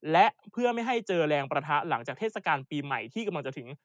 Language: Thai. และเพื่อไม่ให้เจอแรงประทะหลังจากเทศกาลปีใหม่ที่กำลังจะถึง